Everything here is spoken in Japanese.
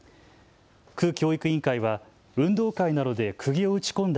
区教育委員会は運動会などでくぎを打ち込んだ